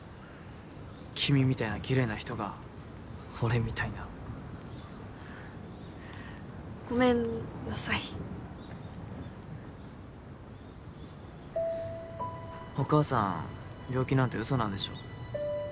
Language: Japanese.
君みたいなきれいな人が俺みたいなごめんなさいお母さん病気なんて嘘なんでしょ？